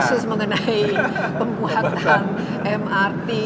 khusus mengenai pembuatan mrt